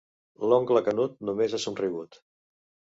L'oncle Canut només ha somrigut.